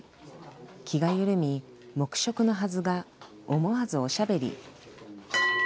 気が緩み、黙食のはずが、思わずおしゃべり。